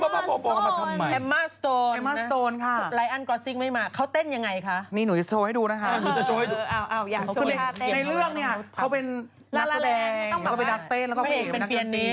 เป็นนักแดงแล้วก็เป็นนักเต้นแล้วก็เป็นนักยนต์ดี